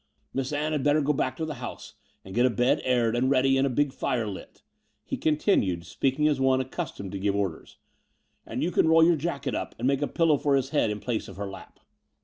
"Miss Ann had better go back to the house, and get a bed aired and ready and a big fire lit," he continued, speaking as one accustomed to give orders ;and you can roll your jacket up and make a pillow for his head in place of her lap."